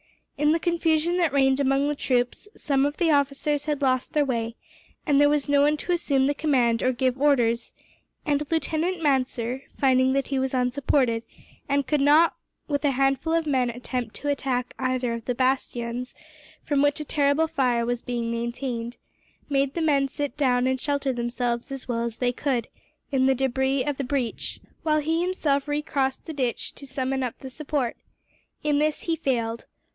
In the confusion that reigned among the troops, some of the officers had lost their way, and there was no one to assume the command or to give orders; and Lieutenant Manser, finding that he was unsupported, and could not with a handful of men attempt to attack either of the bastions, from which a terrible fire was being maintained, made the men sit down and shelter themselves as well as they could, in the debris of the breach; while he himself recrossed the ditch to summon up the support. In this he failed.